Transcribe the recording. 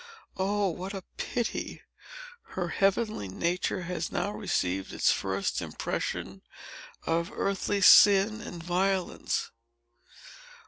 "Oh, what a pity! Her heavenly nature has now received its first impression of earthly sin and violence.